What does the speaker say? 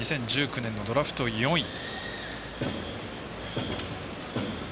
２０１９年のドラフト４位。